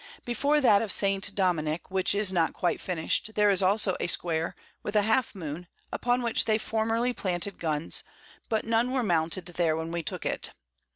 Before that of St. Dominick, which is not quite finished, there is also a Square, with a Half moon, upon which they formerly planted Guns, but none were mounted there when we took it.